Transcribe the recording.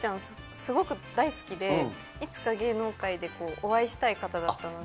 すごく大好きで、いつか芸能界でお会いしたい方だったので。